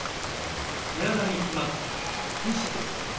毛穴に詰まった皮脂です。